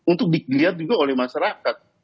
untuk dilihat juga oleh masyarakat